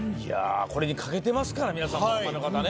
これに懸けてますから皆さんものまねの方ね。